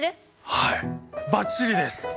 はいバッチリです！